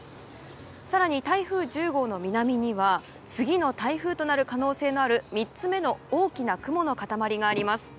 更に、台風１０号の南には次の台風となる可能性のある３つ目の大きな雲の塊があります。